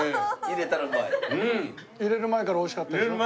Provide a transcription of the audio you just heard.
入れる前からおいしかったでしょ？